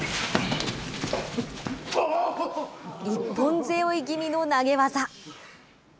一本背負い気味の投げ技。